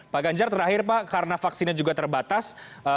pak ganjar terakhir pak karena vaksinnya juga terbatas